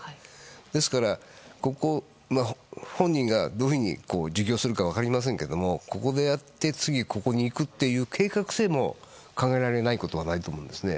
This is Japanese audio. ですから、本人がどういうふうに自供するか分かりませんがここでやって次はここに行くという計画性も考えられないことはないと思うんですね。